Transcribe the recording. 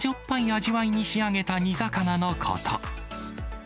味わいに仕上げた煮魚のこと。